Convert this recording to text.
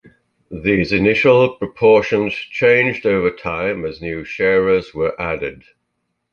These initial proportions changed over time as new sharers were added.